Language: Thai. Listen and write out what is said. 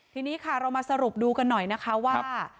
ทีนี้ค่ะเรามาสรุปดูกันหน่อยนะคะว่า